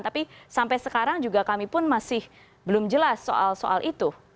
tapi sampai sekarang juga kami pun masih belum jelas soal soal itu